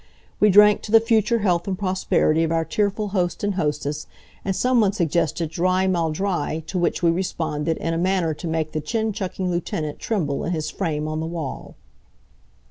We drank to the future health and prosperity of our tearful host and hostess, and some one suggested drei mal drei, to which we responded in a manner to make the chin chucking lieutenant tremble in his frame on the wall.